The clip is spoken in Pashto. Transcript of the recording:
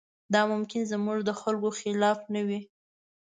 دا ممکن زموږ د خلکو اختلاف نه وي.